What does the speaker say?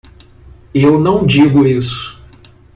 Eu não digo isso.